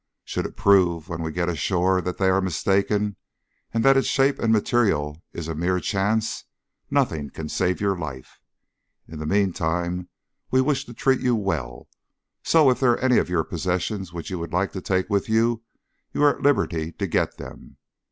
Should it prove when we get ashore that they are mistaken, and that its shape and material is a mere chance, nothing can save your life. In the meantime we wish to treat you well, so if there are any of your possessions which you would like to take with you, you are at liberty to get them."